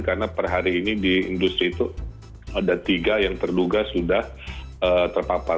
karena per hari ini di industri itu ada tiga yang terduga sudah terpapar